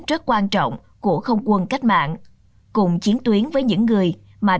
trước quan trọng của quân đội sài gòn